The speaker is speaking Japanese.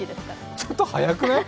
ちょっと早くない？